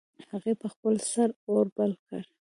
هغې په خپل سر اور بل کړ